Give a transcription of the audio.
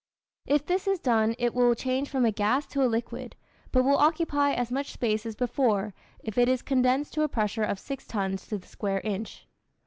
If this is done it will change from a gas to a liquid, but will occupy as much space as before, if it is condensed to a pressure of six tons to the square inch.